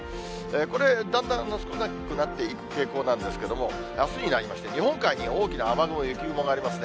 これ、だんだん少なくなっていく傾向なんですけども、あすになりまして、日本海に大きな雨雲、雪雲がありますね。